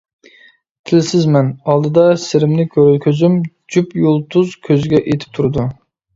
تىلسىزمەن. ئالدىدا سىرىمنى كۆزۈم، جۈپ يۇلتۇز كۆزىگە ئېتىپ تۇرىدۇ.